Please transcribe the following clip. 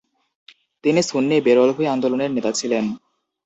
তিনি সুন্নি বেরলভী আন্দোলনের নেতা ছিলেন।